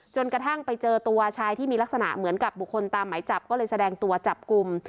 จนกระทั่งไปเจอตัวชายที่มีลักษณะเหมือนกับบุคคลตามหมายจับก็เลยแสดงตัวจับกลุ่ม